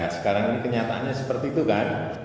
sekarang ini kenyataannya seperti itu kan